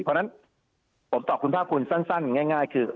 เพราะฉะนั้นผมตอบคุณภาคภูมิสั้นง่ายคือ